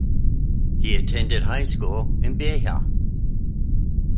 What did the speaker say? He attended high school in Beja.